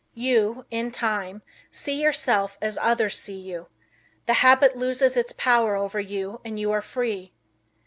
You, in time, see yourself as others see you. The habit loses its power over you and you are free.